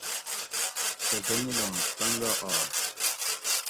سہ زنگیلاں څنگہ آش